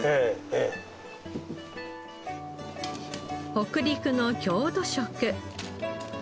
北陸の郷土食。